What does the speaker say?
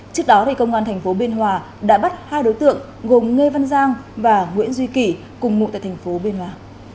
trước đó công an thành phố biên hòa đã bắt hai đối tượng gồm nghê văn giang và nguyễn duy kỷ cùng ngụ tại thành phố biên hòa